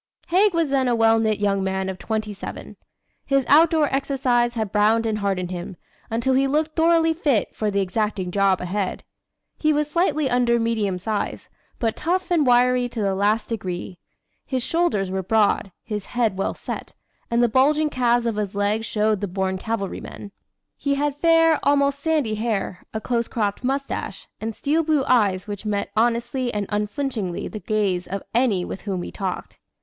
Haig was then a well knit young man of twenty seven. His outdoor exercise had browned and hardened him, until he looked thoroughly fit for the exacting job ahead. He was slightly under medium size, but tough and wiry to the last degree. His shoulders were broad, his head well set, and the bulging calves of his legs showed the born cavalryman. He had fair, almost sandy hair, a close cropped mustache, and steel blue eyes which met honestly and unflinchingly the gaze of any with whom he talked.